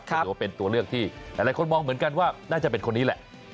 ก็ถือว่าเป็นตัวเลือกที่หลายคนมองเหมือนกันว่าน่าจะเป็นคนนี้แหละ